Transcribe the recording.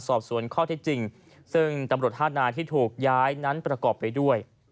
สอบสวนข้อที่จริงซึ่งตำรวจห้านายที่ถูกย้ายนั้นประกอบไปด้วย